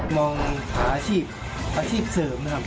มองอาชีพเสริมนะครับ